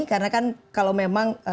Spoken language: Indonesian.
karena kan kalau memang